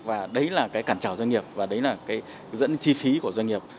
và đấy là cái cản trào doanh nghiệp và đấy là cái dẫn chi phí của doanh nghiệp